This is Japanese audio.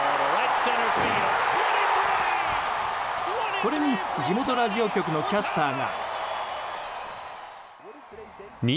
これに地元ラジオ局のキャスターが。